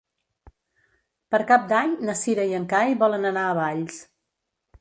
Per Cap d'Any na Cira i en Cai volen anar a Valls.